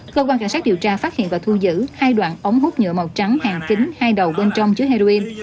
cơ quan cảnh sát điều tra phát hiện và thu giữ hai đoạn ống hút nhựa màu trắng hàng kính hai đầu bên trong chứa heroin